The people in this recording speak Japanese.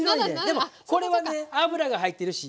でもこれはね油が入ってるし。